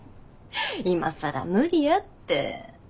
今更無理やって。